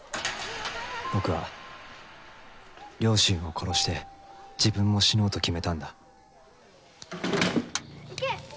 僕は両親を殺して自分も死のうと決めたんだ。